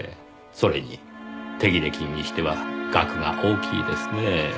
それに手切れ金にしては額が大きいですねぇ。